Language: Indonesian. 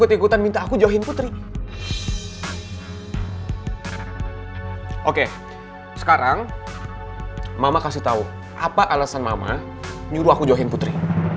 oke sekarang mama kasih tau apa alasan mama nyuruh aku jauhin putri